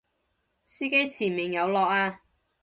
司機前面有落啊！